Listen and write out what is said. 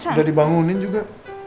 udah dibangunin juga